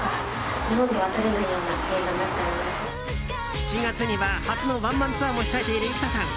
７月には初のワンマンツアーも控えている、幾田さん。